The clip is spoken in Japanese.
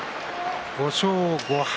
５勝５敗